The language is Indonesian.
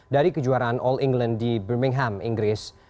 dari kejuaraan all england di birmingham inggris